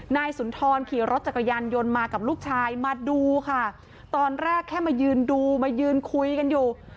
นายสุนทรขี่รถจักรยานยนต์มากับลูกชายมาดูค่ะตอนแรกแค่มายืนดูมายืนคุยกันอยู่